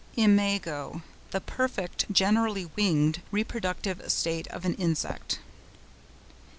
IMAGO.—The perfect (generally winged) reproductive state of an insect.